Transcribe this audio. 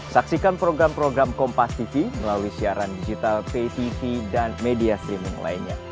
saksikan program program kompas tv melalui siaran digital pay tv dan media streaming lainnya